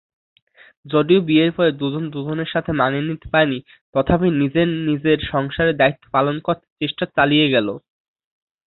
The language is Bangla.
যদিও বিয়ের পরে দুজন-দুজনের সাথে মানিয়ে নিতে পারেনি, তথাপি নিজের নিজের সংসারের দায়িত্ব পালন করতে চেষ্টা চালিয়ে গেল।